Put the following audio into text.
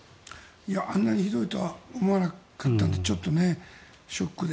あんなにひどいとは思わなかったのでちょっとショックで。